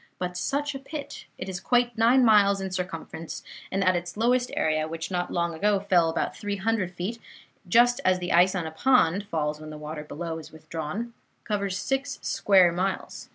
But such a pit! It is quite nine miles in circumference, and at its lowest area which not long ago fell about three hundred feet, just as the ice on a pond falls when the water below is withdrawn covers six square miles.